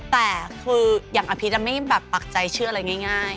แต่คืออย่างอภิษไม่แบบปักใจเชื่ออะไรง่าย